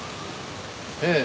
ええ。